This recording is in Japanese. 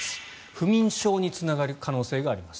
不眠症につながる可能性があります。